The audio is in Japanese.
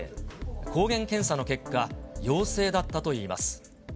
抗原検査の結果、陽性だったといいます。